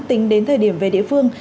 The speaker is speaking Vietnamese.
tính đến thời điểm về địa phương